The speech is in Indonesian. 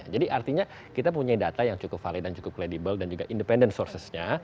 jadi artinya kita punya data yang cukup valid dan cukup credible dan juga independen sourcesnya